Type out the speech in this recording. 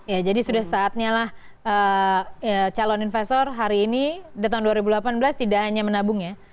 ya jadi sudah saatnya lah calon investor hari ini di tahun dua ribu delapan belas tidak hanya menabung ya